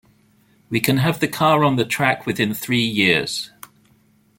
We can have the car on the track within three years.